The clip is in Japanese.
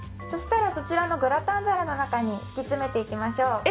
そしたらそちらのグラタン皿の中に敷き詰めていきましょう。